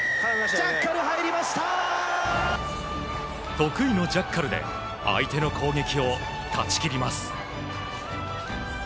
得意のジャッカルで相手の攻撃を断ち切ります。